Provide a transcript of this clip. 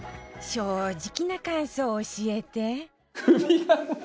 正直な感想を教えて